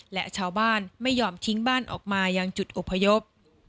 และชาวบ้านไม่ยอมทิ้งบ้านออกมายังจุดอพยพ